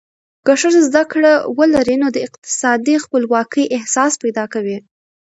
که ښځه زده کړه ولري، نو د اقتصادي خپلواکۍ احساس پیدا کوي.